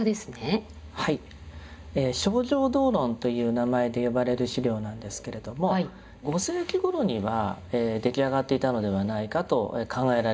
「清浄道論」という名前で呼ばれる資料なんですけれども５世紀頃には出来上がっていたのではないかと考えられている資料なんです。